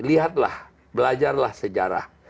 lihatlah belajarlah sejarah